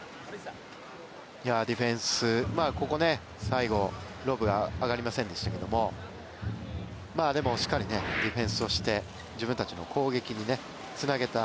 ディフェンス、ここね最後、ロブ上がりませんでしたがでもしっかりディフェンスをして自分たちの攻撃につなげた。